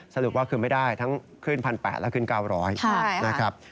สรุปว่าขึ้นไม่ได้ทั้งขึ้น๑๘๐๐และ๙๐๐